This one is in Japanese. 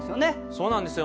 そうなんですよ。